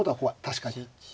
確かに。